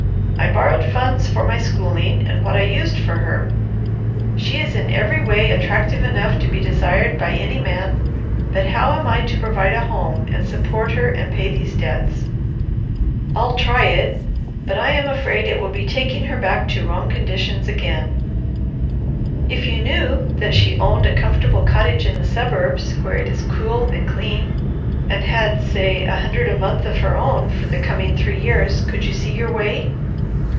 I borrowed funds for my schooling and what I used for her. She is in every way attractive enough to be desired by any man, but how am I to provide a home and support her and pay these debts? I'll try it, but I am afraid it will be taking her back to wrong conditions again." "If you knew that she owned a comfortable cottage in the suburbs, where it is cool and clean, and had, say a hundred a month of her own for the coming three years, could you see your way?"